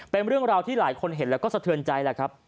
เป็นเรื่องราวที่หลายคนเห็นแล้วก็สะเทือนใจแหละครับ